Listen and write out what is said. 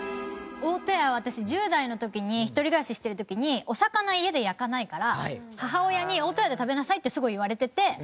大戸屋は私１０代の時に一人暮らししてる時にお魚家で焼かないから母親に大戸屋で食べなさいってすごい言われてて。